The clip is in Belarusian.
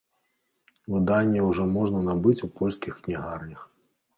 Выданне ўжо можна набыць у польскіх кнігарнях.